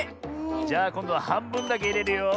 じゃあこんどははんぶんだけいれるよ。